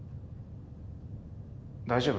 大丈夫？